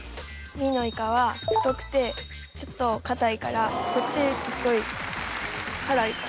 Ｂのイカは太くてちょっとかたいからこっちすっごい辛いから。